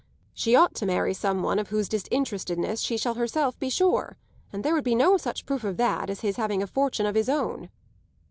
She ought to marry some one of whose disinterestedness she shall herself be sure; and there would be no such proof of that as his having a fortune of his own."